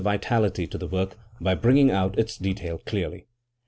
vitality to the work by bringing out its detail clearly.